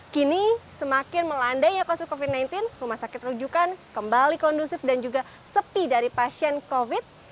kini semakin melandai kasus covid sembilan belas rumah sakit rujukan kembali kondusif dan juga sepi dari pasien covid